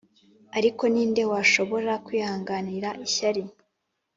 ariko ni nde washobora kwihanganira ishyari’